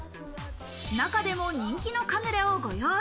中でも人気のカヌレをご用意。